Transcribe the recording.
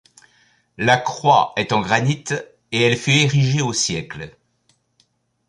La croix est en granit et elle fut érigée au siècle.